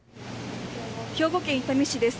兵庫県伊丹市です。